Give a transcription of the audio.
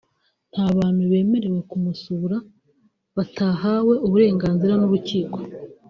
nta bantu bemerewe kumusura batahawe uburenganzira n’urukiko